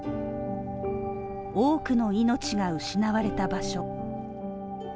多くの命が失われた場所。